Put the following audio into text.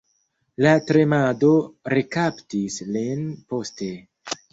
La tremado rekaptis lin poste.